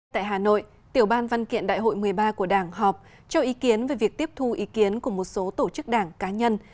tại hà nội tiểu ban văn kiện đại hội một mươi ba của đảng họp cho ý kiến về việc tiếp thu ý kiến của một số tổ chức đảng cá nhân